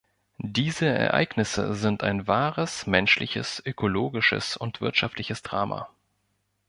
Diese Ereignisse sind ein wahres menschliches, ökologisches und wirtschaftliches Drama.